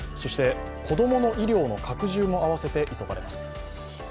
子供の医療の拡充も併せて急がれます。